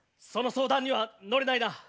その相談には乗れないな。